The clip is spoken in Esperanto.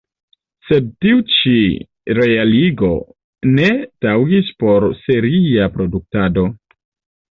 Sed tiu ĉi realigo ne taŭgis por seria produktado.